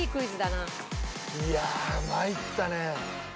いやあ参ったね。